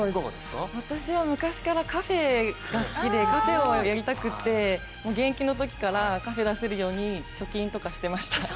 私は昔からカフェが好きで、カフェをやりたくて現役のときからカフェを出せるように貯金とかしてました。